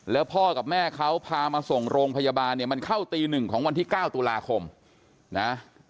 แล้วพ่อกับแม่เขาพามาส่งโรงพยาบาลเนี่ยมันเข้าตีหนึ่งของวันที่๙ตุลาคมนะ